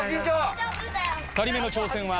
２人目の挑戦は。